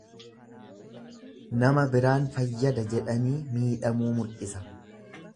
Nama biraan fayyada jedhanii miidhamuu mul'isa.